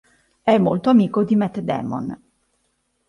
È molto amico di Matt Damon.